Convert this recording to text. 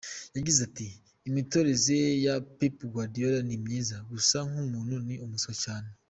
Yagize ati “Imitoreze ya Pep Guardiola ni myiza, gusa nk’umuntu ni umuswa cyane.